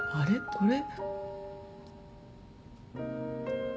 これ。